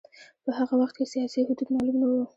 په هغه وخت کې سیاسي حدود معلوم نه و.